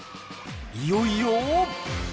いよいよ。